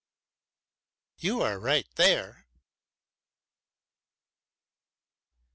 "You are right there."